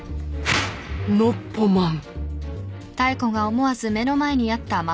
ノッポマン。